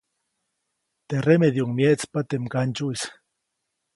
Teʼ remedyuʼuŋ myeʼtspa teʼ mgandsyuʼis.